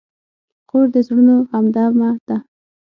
خور د زړونو همدمه ده.